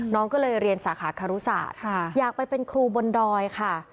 น้องก็เลยเรียนสาขาคารุศาสตร์อยากไปเป็นครูบนดอยค่ะ